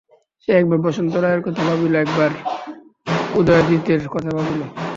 সে একবার বসন্ত রায়ের কথা ভাবিল, একবার উদয়াদিত্যের কথা ভাবিল।